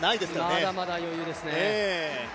まだまだ余裕ですね。